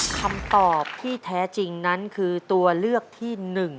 คำตอบที่แท้จริงนั้นคือตัวเลือกที่๑